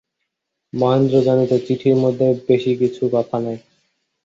মহেন্দ্র জানিত, চিঠির মধ্যে বেশি কিছু কথা নাই।